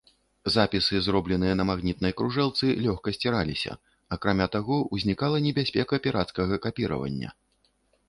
Запісы, зробленыя на магнітнай кружэлцы, лёгка сціраліся, акрамя таго, узнікала небяспека пірацкага капіравання.